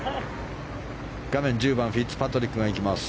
画面１０番フィッツパトリックがいきます。